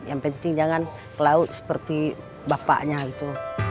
yang penting jangan ke laut seperti bapaknya itu